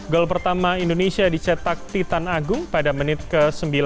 gol pertama indonesia dicetak titan agung pada menit ke sembilan